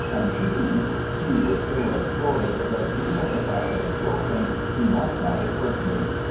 And he—he was so absorbed that even if I had spoken he might not have heard me.